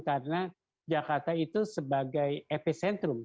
karena jakarta itu sebagai epicentrum